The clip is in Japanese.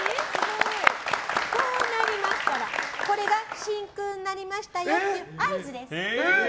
こうなりましたらこれが真空になりましたよという合図です。